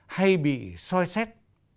hay bị soi xét